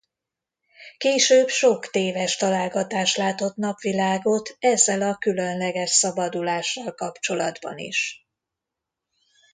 Később sok téves találgatás látott napvilágot ezzel a különleges szabadulással kapcsolatban is.